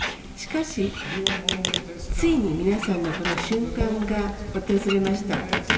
しかし、ついに皆さんのこの瞬間が訪れました。